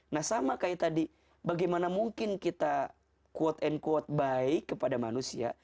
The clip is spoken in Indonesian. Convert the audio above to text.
nah sama seperti tadi bagaimana mungkin kita quote and quote baik kepada manusia